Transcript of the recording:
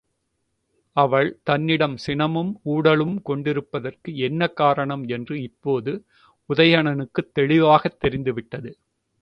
அவள் தன்னிடம் சினமும் ஊடலும் கொண்டிருப்பதற்கு என்ன காரணம் என்று இப்போது உதயணனுக்குத் தெளிவாகத் தெரிந்துவிட்டது.